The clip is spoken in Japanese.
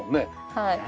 はい。